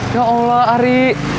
ya allah ari